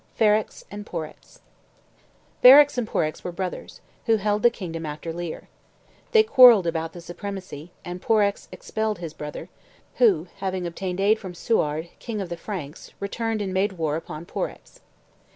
FERREX AND PORREX Ferrex and Porrex were brothers, who held the kingdom after Leir. They quarrelled about the supremacy, and Porrex expelled his brother, who, obtaining aid from Suard, king of the Franks, returned and made war upon Porrex.